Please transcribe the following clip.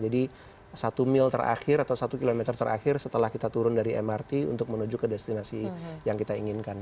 jadi satu mil terakhir atau satu kilometer terakhir setelah kita turun dari mrt untuk menuju ke destinasi yang kita inginkan